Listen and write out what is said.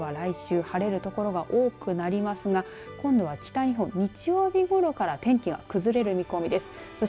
一方で西日本から東日本は来週晴れる所が多くなりますが今度は北日本、日曜日ごろから天気が崩れる見込みです。